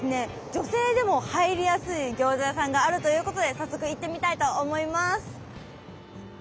女性でも入りやすい餃子屋さんがあるということで早速行ってみたいと思います。